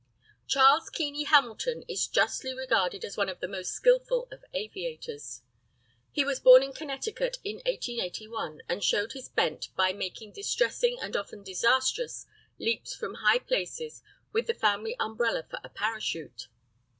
CHARLES KEENEY HAMILTON is justly regarded as one of the most skilful of aviators. He was born in Connecticut in 1881, and showed his "bent" by making distressing, and often disastrous, leaps from high places with the family umbrella for a parachute.